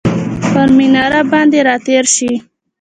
پر مناره باندې راتیرشي،